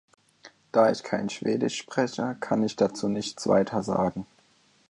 Da ich kein Schwedisch spreche, kann ich dazu nichts weiter sagen.